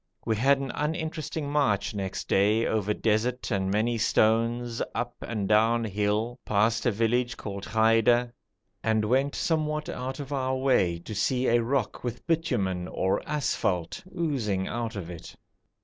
We had an uninteresting march next day, over desert and many stones, up and down hill, past a village called Ghaida, and went somewhat out of our way to see a rock with bitumen or asphalte oozing out of it.